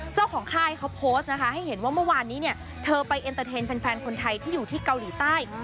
เจ้าของคายเค้าโพสต์ให้เห็นว่าเมื่อวานนี้เธอไปเอ็นเตอร์เทนต์แฟนคนไทยที่อยู่ที่เกาหลีใต้